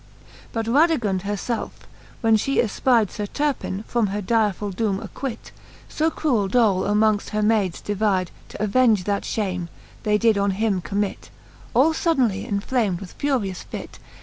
3ut Radigund her lelfe, when Ihe efpide Sir Terpin^ from her direfull doome acquit, So cruel dole amongft her maides davide, T'avenge that Ihatne, they did on him commit, All fodainely enflamd with furious fit.